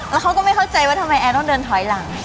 แล้วเขาก็ไม่เข้าใจว่าทำไมแอร์ต้องเดินถอยหลัง